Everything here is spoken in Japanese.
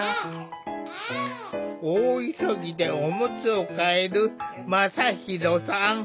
大急ぎでおむつを替える真大さん。